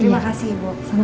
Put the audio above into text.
terima kasih ibu